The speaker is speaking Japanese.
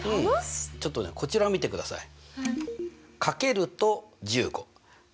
ちょっとねこちらを見てください。